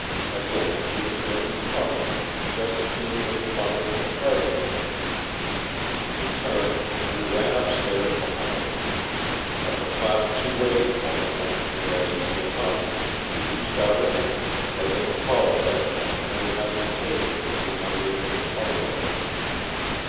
Again she was making fun of him just as she had made fun of him at Cardigan's! She turned, and he ran upstairs behind her. At the top she waited for him, and as he came up, she reached out her hand, as if apologizing for having taken it from him when they entered the bungalow.